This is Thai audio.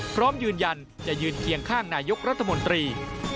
พร้อมยืนยันจะยืนเคียงข้างนายกรัฐมนตรี